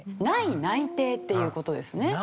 無い内定っていう事ですね。